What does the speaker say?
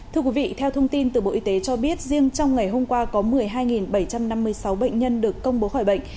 thưa quý vị theo thông tin từ bộ y tế cho biết riêng trong ngày hôm qua có một mươi hai bảy trăm năm mươi sáu bệnh nhân được công bố khỏi bệnh